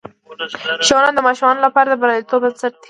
ښوونه د ماشومانو لپاره د بریالیتوب بنسټ دی.